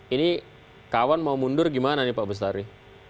ini kawan mau mundur gimana nih pak bestari